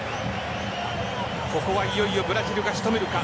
ここはいよいよブラジルが仕留めるか。